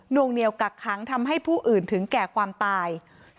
วงเหนียวกักขังทำให้ผู้อื่นถึงแก่ความตาย